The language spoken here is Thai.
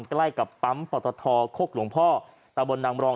ใกล้กับปั๊มปตทโคกหลวงพ่อตะบนนางรอง